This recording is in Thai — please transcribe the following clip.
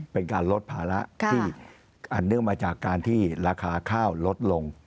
เป็นการลดภาระที่อันเนื่องมาจากการที่ราคาข้าวลดลง